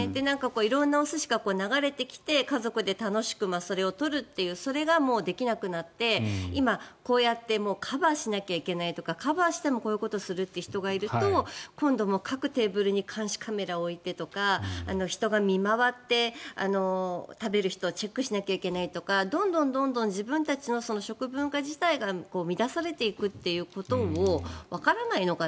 色んなお寿司が流れてきて家族で楽しくそれを取るというそれができなくなって今、こうやってカバーしないといけないとかカバーをしてもこういうことをする人がいると今度、各テーブルに監視カメラを置いてとか人が見回って、食べる人をチェックしないといけないとかどんどん、どんどん自分たちの食文化自体が乱されていくということをわからないのかな